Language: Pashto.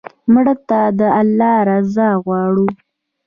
مړه ته د الله رضا غواړو